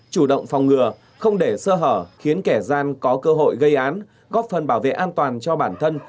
chủ động phòng ngừa không để sơ hở khiến kẻ gian có cơ hội gây án góp phần bảo vệ an toàn cho bản thân